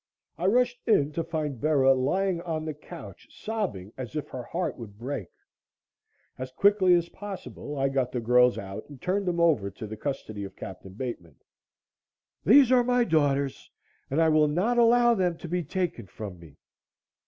I rushed in, to find Bera lying on the couch, sobbing as if her heart would break. As quickly as possible, I got the girls out and turned them over to the custody of Capt. Bateman. "These are my daughters, and I will not allow them to be taken from me."